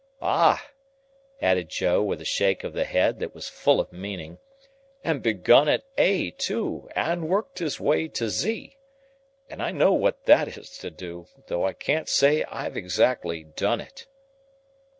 —Ah!" added Joe, with a shake of the head that was full of meaning, "and begun at A too, and worked his way to Z. And I know what that is to do, though I can't say I've exactly done it."